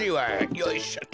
よいしょと。